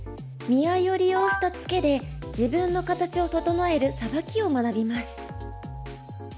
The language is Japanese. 見合いを利用したツケで自分の形を整えるサバキを学びます。